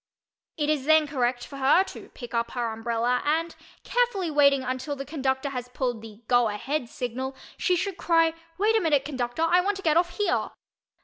It is then correct for her to pickup her umbrella and, carefully waiting until the conductor has pulled the "go ahead" signal, she should cry "Wait a minute, conductor—I want to get off here."